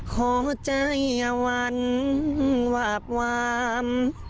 ขอใจอย่าหวั่นหวาบหวาม